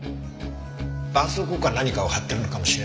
絆創膏か何かを貼ってるのかもしれないね。